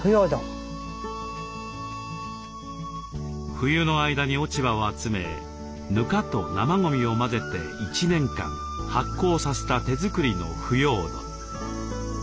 冬の間に落ち葉を集めぬかと生ごみを混ぜて１年間発酵させた手作りの腐葉土。